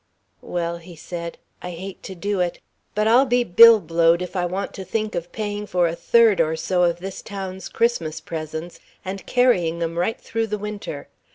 "Well," he said, "I hate to do it. But I'll be billblowed if I want to think of paying for a third or so of this town's Christmas presents and carrying 'em right through the Winter.